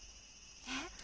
えっ？